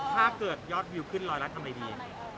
ถ้าเกิดยอดวิวขึ้น๑๐๐แล้วทำอะไรดี